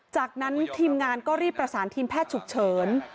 จากนั้นทีมงานก็รีบประสานทีมแพทย์ฉุกเฉิน